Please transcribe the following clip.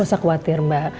jangan khawatir mbak